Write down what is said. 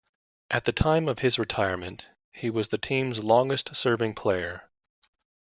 At the time of his retirement, he was the team's longest-serving player.